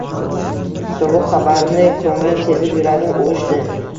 Sovuq xabarni ko`nglim sezib, yuragim uvishdi